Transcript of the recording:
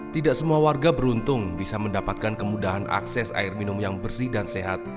tidak semua warga beruntung bisa mendapatkan kemudahan akses air minum yang bersih dan sehat